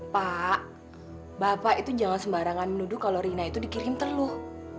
pak bapak itu jangan sembarangan menuduh kalau rina itu dikirim telur